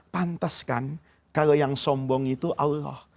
pantas kan kalau yang sombong itu allah